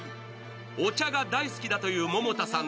お茶が大好きだという百田さん